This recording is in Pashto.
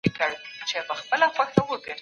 د فوټبال سیالۍ په هر ولایت کي کیدلې.